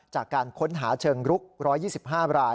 จากการค้นหาเชิงรุก๑๒๕ราย